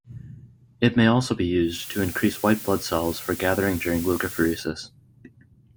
It may also be used to increase white blood cells for gathering during leukapheresis.